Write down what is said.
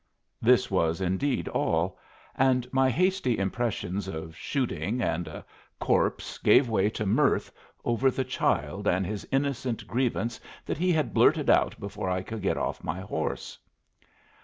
This was indeed all; and my hasty impressions of shooting and a corpse gave way to mirth over the child and his innocent grievance that he had blurted out before I could get off my horse.